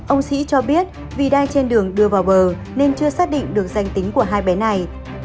ông sĩ cho biết vì đang trên đường đưa vào bờ nên chưa xác định được danh tính của hai bé này